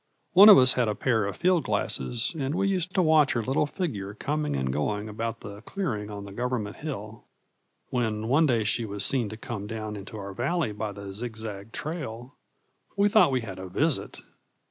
One of us had a pair of field glasses, and we used to watch her little figure coming and going about the clearing on the government hill. When one day she was seen to come down into our valley by the zigzag trail, we thought we had a Visit.